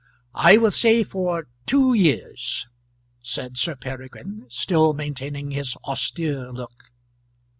"I will say for two years," said Sir Peregrine, still maintaining his austere look.